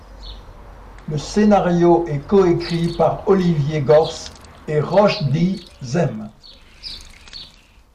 Le scénario est coécrit par Olivier Gorce et Roschdy Zem.